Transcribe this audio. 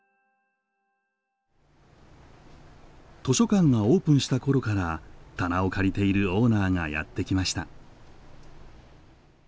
図書館がオープンした頃から棚を借りているオーナーがやって来ました。